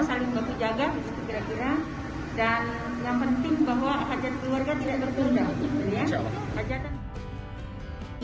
saling bantu jaga dan yang penting bahwa hajat di warga tidak tertunda